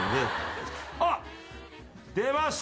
あっ出ました！